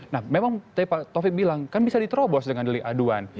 nah memang tadi pak taufik bilang kan bisa diterobos dengan delik aduan